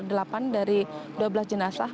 delapan dari dua belas jenazah